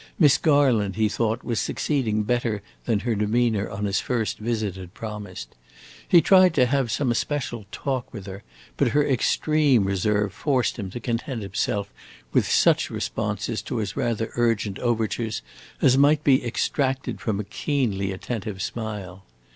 Miss Garland, he thought, was succeeding better than her demeanor on his first visit had promised. He tried to have some especial talk with her, but her extreme reserve forced him to content himself with such response to his rather urgent overtures as might be extracted from a keenly attentive smile.